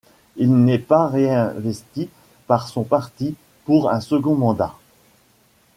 Il n'est pas réinvesti par son parti pour un second mandat.